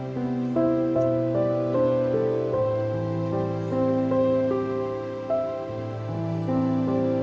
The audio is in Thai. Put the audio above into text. คุณฟอยพ่อไม่ขอมาให้หรอก